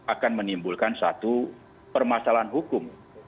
akan menimbulkan satu permasalahan hukum